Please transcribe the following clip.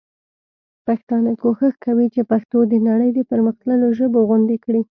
پښتانه کوښښ کوي چي پښتو د نړۍ د پر مختللو ژبو غوندي کړي.